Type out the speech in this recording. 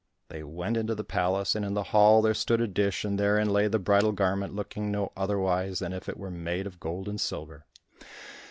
They went into the palace, and in the hall there stood a dish, and therein lay the bridal garment looking no otherwise than as if it were made of gold and silver.